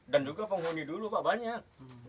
dan juga penghuni dulu pak banyak